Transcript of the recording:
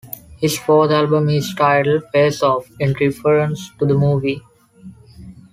His fourth album is titled "Face Off" in reference to the movie.